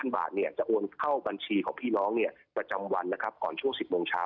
บาทจะโอนเข้าบัญชีของพี่น้องประจำวันนะครับก่อนช่วง๑๐โมงเช้า